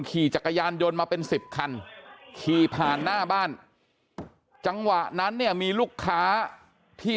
ขี่จักรยานยนต์มาเป็นสิบคันขี่ผ่านหน้าบ้านจังหวะนั้นเนี่ยมีลูกค้าที่